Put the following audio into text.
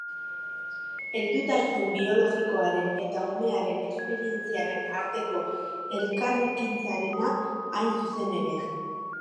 Heldutasun biologikoaren eta umearen esperientziaren arteko elkarrekintzarena, hain zuzen ere.